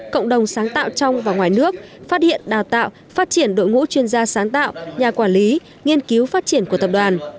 cộng đồng sáng tạo trong và ngoài nước phát hiện đào tạo phát triển đội ngũ chuyên gia sáng tạo nhà quản lý nghiên cứu phát triển của tập đoàn